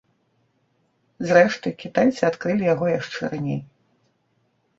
Зрэшты, кітайцы адкрылі яго яшчэ раней.